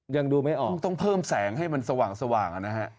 ยังดูไม่ออกต้องเพิ่มแสงให้มันสว่างนะฮะ